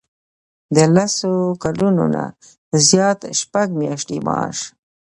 د لس کلونو نه زیات شپږ میاشتې معاش.